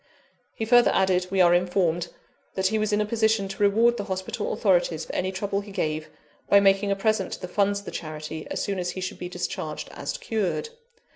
He further added, we are informed, that he was in a position to reward the hospital authorities for any trouble he gave, by making a present to the funds of the charity, as soon as he should be discharged as cured.